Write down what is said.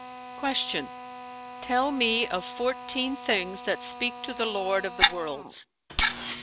'" Q "Tell me of fourteen things that speak to the Lord of the Worlds?"